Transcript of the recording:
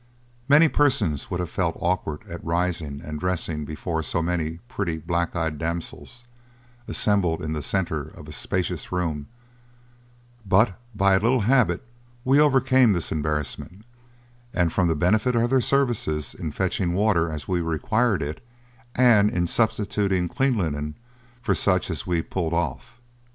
Many persons would have felt awkward at rising and dressing before so many pretty black eyed damsels, assembled in the centre of a spacious room; but by a little habit we overcame this embarrassment, and from the benefit of their services in fetching water as we required it, and in substituting clean linen for such as we pulled off.'